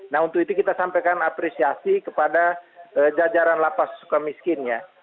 nah untuk itu kita sampaikan apresiasi kepada jajaran lapas suka miskin ya